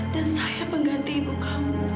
dan saya pengganti ibu kamu